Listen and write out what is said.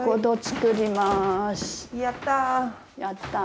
やった。